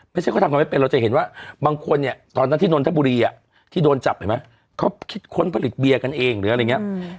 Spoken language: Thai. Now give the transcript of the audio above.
ไม่ใช่เขาทำกันไม่เป็นเราจะเห็นว่าบางคนเนี่ยตอนนั้นที่นนทบุรีที่โดนจับเห็นไหมเขาคิดค้นผลิตเบียร์กันเองหรืออะไรอย่างนี้